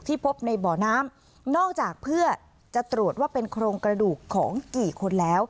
พบในบ่อน้ำนอกจากเพื่อจะตรวจว่าเป็นโครงกระดูกของกี่คนแล้ว